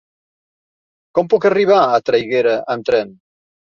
Com puc arribar a Traiguera amb tren?